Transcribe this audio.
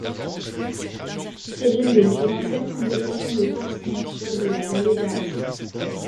C'est l'une des plus anciennes compétitions de course nature de la Vallée d'Aoste.